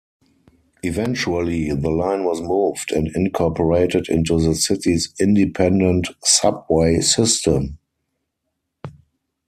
Eventually, the line was moved and incorporated into the city's Independent Subway System.